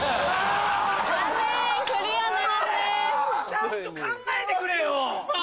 ちゃんと考えてくれよ！